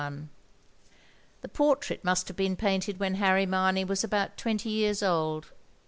The portrait must have been painted when Harry Mamey was about twenty years old.